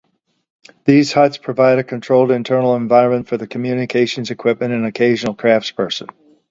These huts provide a controlled internal environment for the communications equipment and occasional craftspersons.